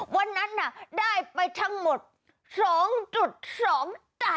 วันนั้นได้ไปทั้งหมด๒๒จ่าย